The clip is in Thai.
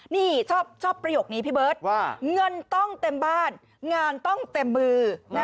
นี่ชอบประโยคนี้พี่เบิร์ตว่าเงินต้องเต็มบ้านงานต้องเต็มมือ